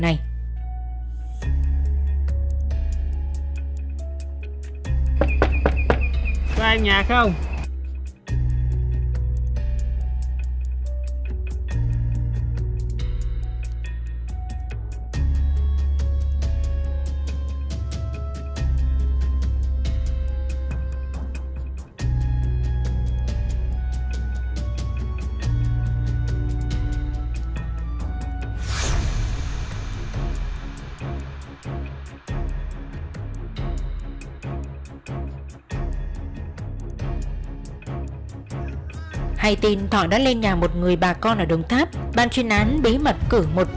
nguyễn tăng hả nhà ông mấy người